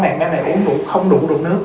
em bé này uống không đủ đủ nước